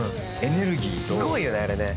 すごいよねあれね。